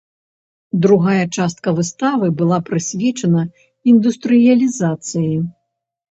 Другая частка выставы была прысвечана індустрыялізацыі.